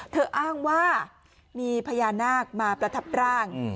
อ้างว่ามีพญานาคมาประทับร่าง